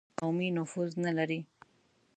قومي نفوذ نه لري.